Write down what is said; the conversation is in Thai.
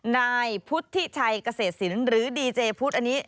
นายพุทธิชัยเกษตรศิลป์หรือดีเจพุทธอันนี้